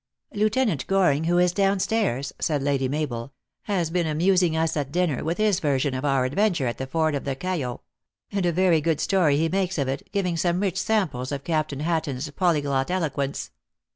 " Lieutenant Goring, who is down stairs," said Lady Mabel, " has been amusing us at dinner with his ver sion of our adventure at the ford of the Cayo ; and a very good story he makes of it, giving some rich samples of Captain Hatton s polyglot eloquence.